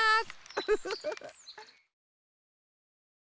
ウフフフ。